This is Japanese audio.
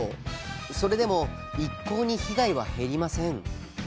それでも一向に被害は減りません。